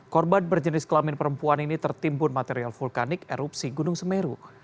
korban berjenis kelamin perempuan ini tertimbun material vulkanik erupsi gunung semeru